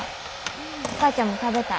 お母ちゃんも食べたい。